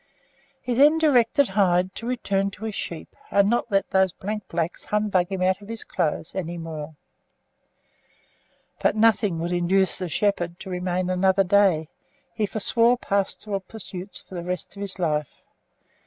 He then directed Hyde to return to his sheep, and not let those blank blacks humbug him out of clothes any more. But nothing would induce the shepherd to remain another day; he forswore pastoral pursuits for the rest of his life.